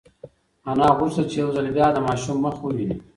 انا غوښتل چې یو ځل بیا د ماشوم مخ وویني.